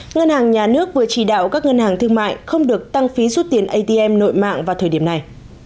ngân hàng nhà nước vừa chỉ đạo các ngân hàng thương mại không được tăng phí rút tiền atm nội mạng vào thời điểm này